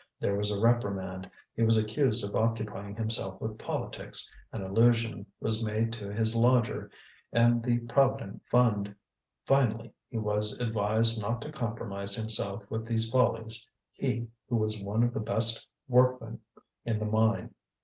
There was a reprimand; he was accused of occupying himself with politics; an allusion was made to his lodger and the Provident Fund; finally he was advised not to compromise himself with these follies, he, who was one of the best workmen in the mine.